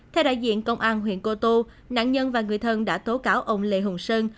theo đại diện công an huyện cô tô nạn nhân và người thân đã tố cáo ông lê hùng sơn